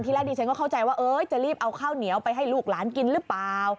แรกดิฉันก็เข้าใจว่าจะรีบเอาข้าวเหนียวไปให้ลูกหลานกินหรือเปล่า